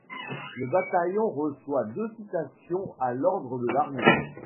Le Bataillon reçoit deux Citations à l'Ordre de l'Armée.